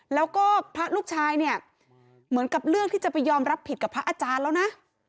แล้วก็พระลูกชายเนี่ยเหมือนกับเลือกที่จะไปยอมรับผิดกับพระอาจารย์แล้วนะ